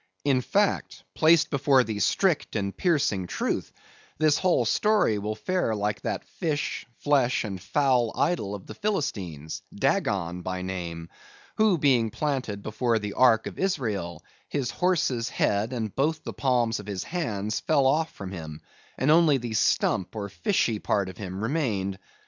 In fact, placed before the strict and piercing truth, this whole story will fare like that fish, flesh, and fowl idol of the Philistines, Dagon by name; who being planted before the ark of Israel, his horse's head and both the palms of his hands fell off from him, and only the stump or fishy part of him remained.